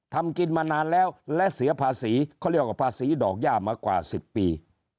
ทำกินมานานแล้วและเสียภาษีเขาเรียกว่าภาษีดอกย่ามากว่า๑๐ปี